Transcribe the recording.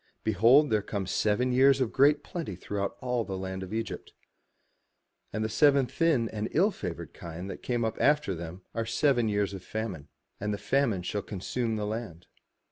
Behold there come seven years of great plenty throughout all the land of Egypt: and the seven thin and ill favoured kine that came up after them are seven years of famine, and the famine shall consume the land.